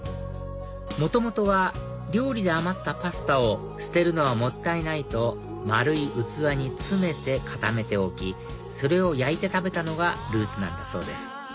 元々は料理で余ったパスタを捨てるのはもったいないと丸い器に詰めて固めておきそれを焼いて食べたのがルーツなんだそうです